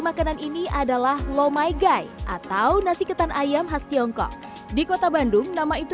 makanan ini adalah lomai gai atau nasi ketan ayam khas tiongkok di kota bandung nama itu